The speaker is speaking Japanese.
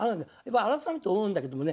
改めて思うんだけどもね